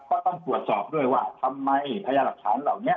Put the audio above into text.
ก็ต้องตรวจสอบด้วยว่าทำไมพยาหลักฐานเหล่านี้